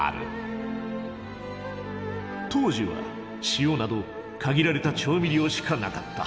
当時は塩など限られた調味料しかなかった。